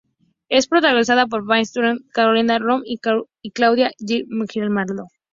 Es protagonizada por Bastián Bodenhöfer, Carolina Arregui y Claudia Di Girolamo.